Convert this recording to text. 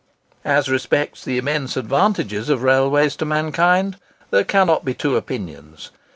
As respects the immense advantages of railways to mankind, there cannot be two opinions.